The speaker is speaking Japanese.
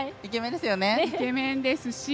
イケメンですし。